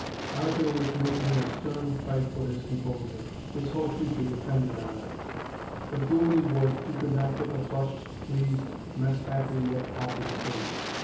Arthur was making a stern fight for his composure. His whole future depended on it. But do what he would, he could not get the flushed, pleased, mess happy look off his face.